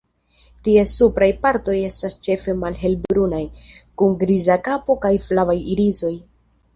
Ties supraj partoj estas ĉefe malhelbrunaj, kun griza kapo kaj flavaj irisoj.